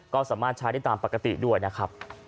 ก็สามารถใช้ได้ตามปกติด้วยนะครับ